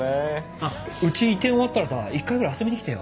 あっうち移転終わったらさ一回ぐらい遊びに来てよ。